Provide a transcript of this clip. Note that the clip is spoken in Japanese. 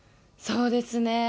そうですね。